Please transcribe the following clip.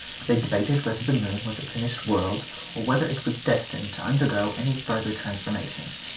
They debated whether the moon was a finished world, or whether it was destined to undergo any further transformation.